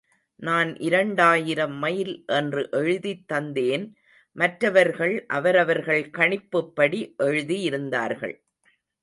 நான் இரண்டாயிரம் மைல் என்று எழுதித் தந்தேன் மற்றவர்கள் அவரவர்கள் கணிப்புப்படி எழுதியிருந்தார்கள்.